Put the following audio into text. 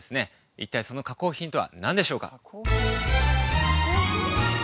一体その加工品とは何でしょうか？